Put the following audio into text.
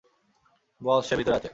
বস, সে ভিতরে আছে।